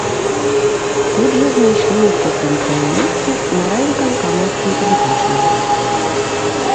Тут жа знайшлі ёй цёпленькае месца на райвыканкамаўскім тэлебачанні.